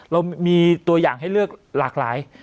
เรามีตัวอย่างให้เลือกหลากหลาย